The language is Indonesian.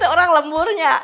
orang lembur ya